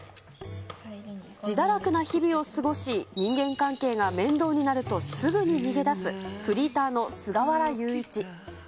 自堕落な日々を過ごし、人間関係が面倒になるとすぐに逃げ出す、フリーターの菅原裕一。